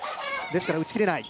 ですから、打ち切れない。